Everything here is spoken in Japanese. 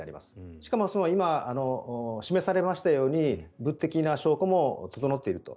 しかも今、示されましたように物的な証拠も整っていると。